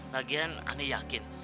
lagian aneh yakin